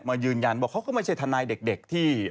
ยืนยันบอกเขาก็ไม่ใช่ทนายเด็กที่